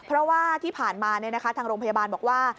เพราะว่าที่ผ่านมาทางโรงพยาบาลบอกว่า